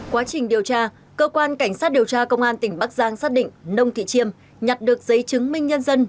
quá trình điều tra cơ quan cảnh sát điều tra công an tỉnh bắc giang xác định nông thị chiêm nhặt được giấy chứng minh nhân dân